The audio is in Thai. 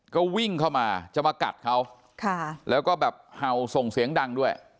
ก็วิ่งเข้ามาจะมากัดเขาแล้วก็แบบเห่าส่งเสียงดังด้วย